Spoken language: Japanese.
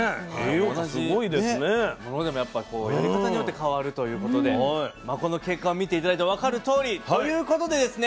同じものでもやっぱこうやり方によって変わるということでまあこの結果を見て頂いて分かるとおりということでですね。